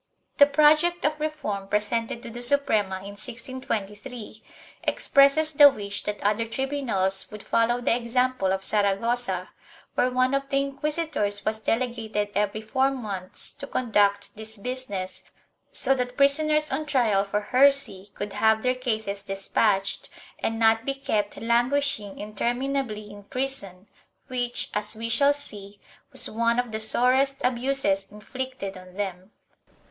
The project of reform presented to the Suprema, in 1623, expresses the wish that other tribunals would follow the example of Saragossa, where one of the inquisi tors was delegated every four months to conduct this business, so that prisoners on trial for heresy could have their cases despatched and not be kept languishing interminably in prison, which, as we shall see, was one of the sorest abuses inflicted on them.